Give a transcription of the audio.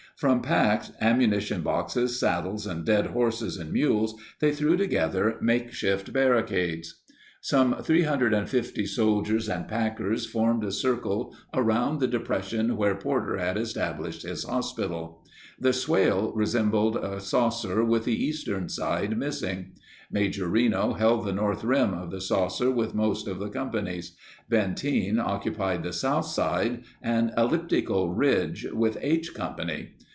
From packs, ammunition boxes, saddles, and dead horses and mules they threw together makeshift barricades. Some 350 soldiers and packers formed a circle around the depression where Porter had established his hospital. The swale resembled a saucer with the eastern side missing. Major Reno held the north rim of the saucer with most of the companies. Benteen occupied the south side, an elliptical ridge, with H Company.